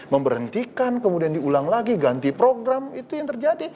memberhentikan kemudian diulang lagi ganti program itu yang terjadi